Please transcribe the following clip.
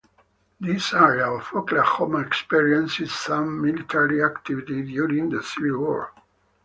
This area of Oklahoma experienced some military activity during the Civil War.